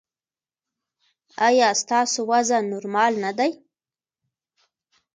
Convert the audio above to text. ایا ستاسو وزن نورمال نه دی؟